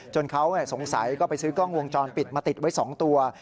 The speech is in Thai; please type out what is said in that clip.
เขาสงสัยก็ไปซื้อกล้องวงจรปิดมาติดไว้๒ตัว